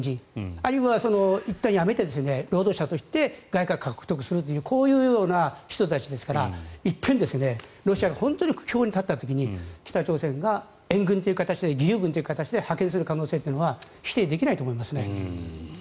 あるいはいったん辞めて労働者として外貨を獲得するこういうような人たちですから一遍ロシアが本当に苦境に立った時に北朝鮮が援軍という形で義勇軍という形で派遣する可能性は否定できないと思いますね。